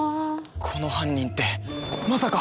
この犯人ってまさか！